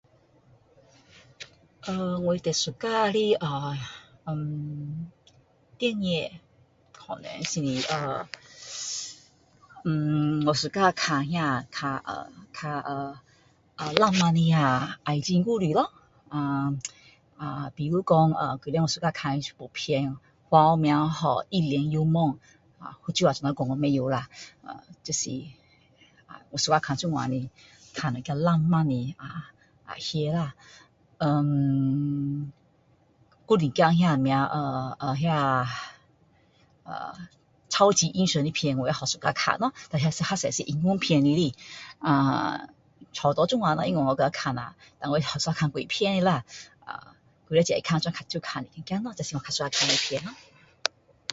呃我最喜欢的呃电影可能是呃我喜欢看那啊看啊看啊浪漫的爱情故事咯呃啊比如说以前我喜欢看一部戏华语名叫一帘幽梦啊福州话怎么说我不知啦就是我喜欢看这样的看浪漫的啊戏啦呃还有一点什么呃那呃超级英雄的片我也喜欢看咯那较多是英国片来的啊差不多这样咯我喜欢这样的啊蛮喜欢看鬼片的啦呃我喜欢这样的戏咯